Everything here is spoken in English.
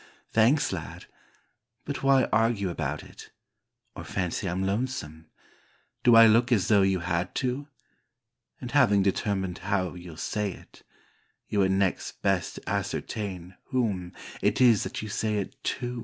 thanks, lad! — but why argue about it? — or fancy Tm lonesome? — do I look as though you had to? And having determined how you'll say it, you had next best ascertain whom it is that you say it to.